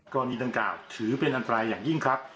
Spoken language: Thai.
กรณีดังกล่าวถือเป็นอันตรายอย่างยิ่งครับ